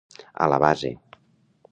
A la base.